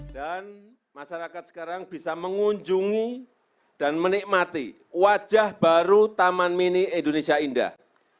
dan masyarakat sekarang bisa mengunjungi dan menikmati wajah baru taman mini indonesia indah